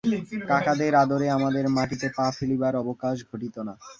কাকাদের আদরে আমাদের মাটিতে পা ফেলিবার অবকাশ ঘটিত না।